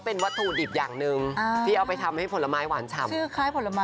เป็นลูกครึ่งมั้ยพี่แจ๊ก